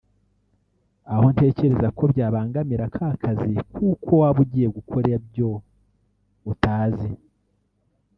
aho ntekereza ko byabangamira ka kazi kuko waba ugiye gukora ibyo utazi